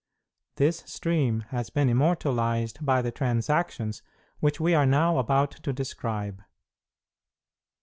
This stream has been immortalized by the transactions which we are now about to describe.